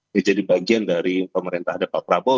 menjadi bagian dari pemerintah depan prabowo